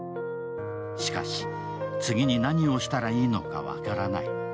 しかし、次に何をしたらいいのか分からない。